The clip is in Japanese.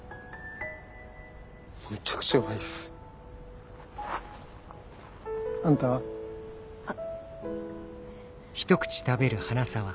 めちゃくちゃうまいっす。あんたは？あっ。